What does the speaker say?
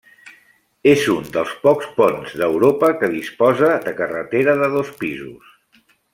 És un dels pocs ponts d'Europa que disposa de carretera de dos pisos.